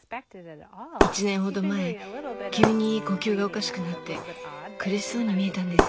１年ほど前急に呼吸がおかしくなって苦しそうに見えたんです。